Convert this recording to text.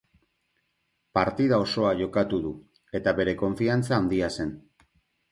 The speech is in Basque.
Partida osoa jokatu du, eta bere konfiantza handia zen.